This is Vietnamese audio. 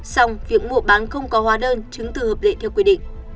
xong việc mua bán không có hóa đơn chứng từ hợp lệ theo quy định